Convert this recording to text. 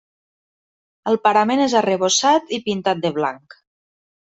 El parament és arrebossat i pintat de blanc.